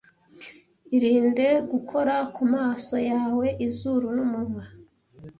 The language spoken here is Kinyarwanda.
Irinde gukora ku maso yawe, izuru n'umunwa.